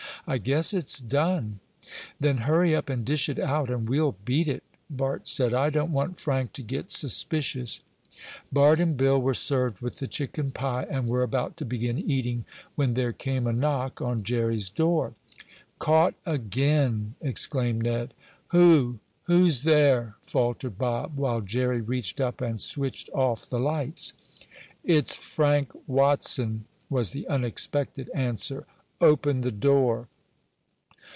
"I guess it's done." "Then hurry up and dish it out and we'll beat it," Bart said. "I don't want Frank to get suspicious." Bart and Bill were served with the chicken pie and were about to begin eating, when there came a knock on Jerry's door. "Caught again!" exclaimed Ned. "Who who's there?" faltered Bob, while Jerry reached up and switched off the lights. "It's Frank Watson," was the unexpected answer. "Open the door."